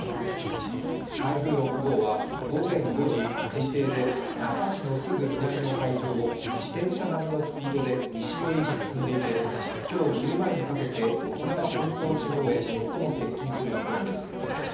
台風６号は午前５時、推定で那覇市のすぐ南の海上を自転車並みのスピードで西寄りに進んでいて今日昼前にかけて沖縄本島地方に最も接近する見込みです。